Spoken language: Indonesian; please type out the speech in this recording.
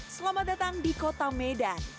selamat datang di kota medan